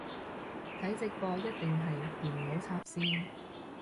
睇直播一定係電腦插線